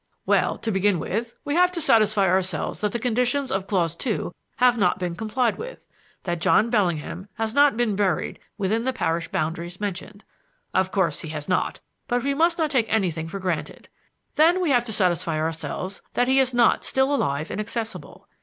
"Well, to begin with, we have to satisfy ourselves that the conditions of clause two have not been complied with: that John Bellingham has not been buried within the parish boundaries mentioned. Of course he has not, but we must not take anything for granted. Then we have to satisfy ourselves that he is not still alive and accessible.